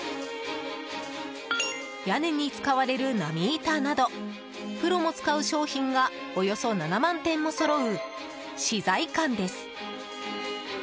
屋根に使われる波板などプロも使う商品がおよそ７万点もそろう資材館です。